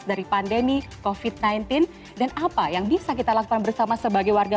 dari pandemi kofit sembilan belas dan apa yang bisa kita lakukan bersama sebagai warga